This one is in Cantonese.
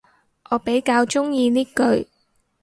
我比較鍾意呢句